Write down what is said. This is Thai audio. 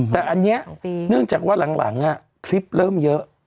แต่อันนี้เนื่องจากว่าหลังคลิปเริ่มเยอะ